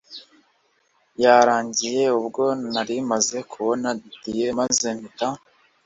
yarangiye ubwo nari maze kubona didie maze mpita